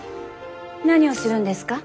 何をするんですか？